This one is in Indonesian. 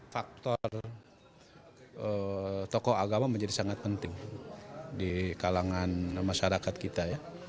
tentu toko agama menjadi sangat penting di kalangan masyarakat kita